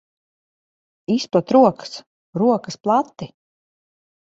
Izplet rokas. Rokas plati!